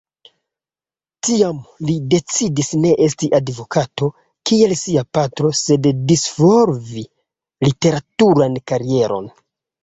Tiam, li decidis ne esti advokato, kiel sia patro, sed disvolvi literaturan karieron.